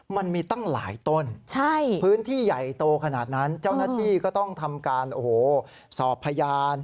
มันมีตั้งหลายต้นพื้นที่ใหญ่โตขนาดนั้นเจ้าหน้าที่ก็ต้องทำการโอ้โหสอบพยาน